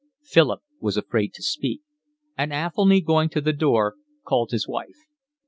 Philip was afraid to speak, and Athelny, going to the door, called his wife.